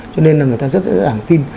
cho nên là người ta rất là sẵn sàng tin